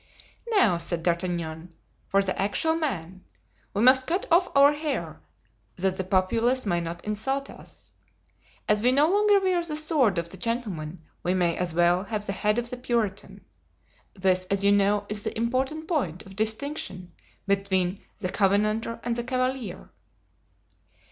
"Now," said D'Artagnan, "for the actual man. We must cut off our hair, that the populace may not insult us. As we no longer wear the sword of the gentleman we may as well have the head of the Puritan. This, as you know, is the important point of distinction between the Covenanter and the Cavalier."